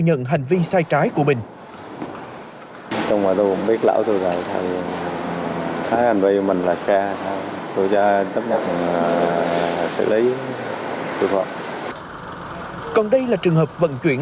nhận hành vi sai trái của mình còn đây là trường hợp vận chuyển